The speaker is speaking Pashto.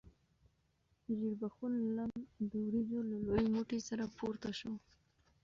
ژیړبخون لم د وریجو له لوی موټي سره پورته شو.